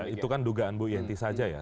itu kan dugaan bu yenti saja ya